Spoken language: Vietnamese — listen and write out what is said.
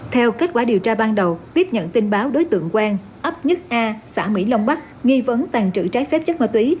theo kết quả điều tra ban đầu tiếp nhận tin báo đối tượng quen ấp nhất a xã mỹ long bắc nghi vấn tàn trữ trái phép chất ma túy